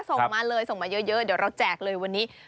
ส่งมาเลยส่งมาเยอะเดี๋ยวเราแจกเลยวันนี้